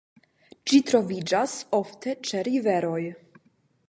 Ĝi troviĝas ofte ĉe riveroj.